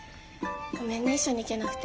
ごめんね一緒に行けなくて。